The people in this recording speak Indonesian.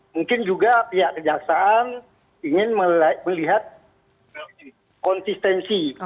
mungkin juga pihak kejaksaan ingin melihat konsistensi